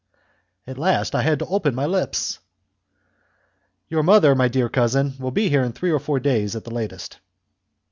At last I had to open my lips! "Your mother, my dear cousin, will be here in three or four days, at the latest."